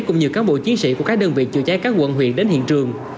cũng như các bộ chiến sĩ của các đơn vị chữa cháy các quận huyện đến hiện trường